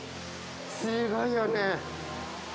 すごいよね！